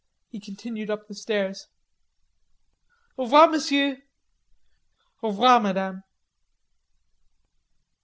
He continued up the stairs. "Au revoir, Monsieur." "Au revoir, Madame."